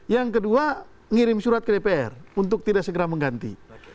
yang kedua ngirim surat ke dpr untuk tidak segera mengganti